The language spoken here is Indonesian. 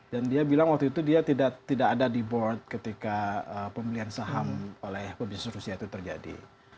dan dia bilang waktu itu dia tidak ada di board ketika pembelian saham oleh produsen rusia itu terjadi